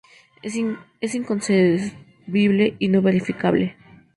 Es inconcebible y no verificable.